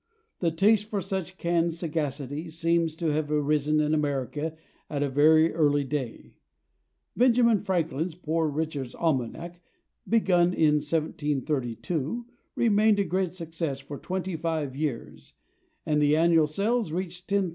The taste for such canned sagacity seems to have arisen in America at a very early day. Benjamin Franklin's "Poor Richard's Almanac," begun in 1732, remained a great success for twenty five years, and the annual sales reached 10,000.